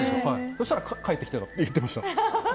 そしたら帰ってきたって言ってました。